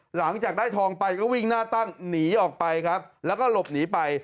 หลังจากได้ทองไปก็วิ่งหน้าตั้งหนีออกไปครับแล้วก็หลบหนีไป